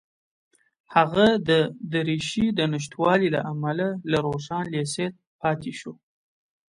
هغه د دریشۍ د نشتوالي له امله له روښان لېسې پاتې شو